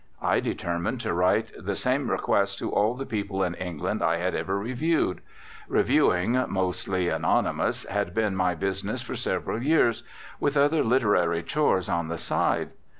I determined to write the same request to all the people in England I had ever reviewed. Reviewing, mostly anonymous, had been my business for several years, with other literary chores on the side.